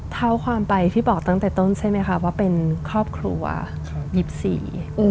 เท่าความไปพี่บอกตั้งแต่ต้นใช่ไหมคะว่าเป็นครอบครัวครับยิบสี่อืม